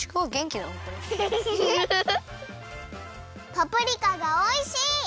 パプリカがおいしい！